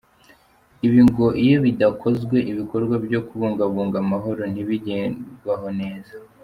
Ibi ngo iyo bidakozwe ibikorwa byo kubungabunga amahoro ntibigerwaho neza.